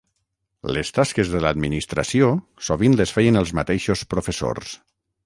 Les tasques de l'administració sovint les feien els mateixos professors.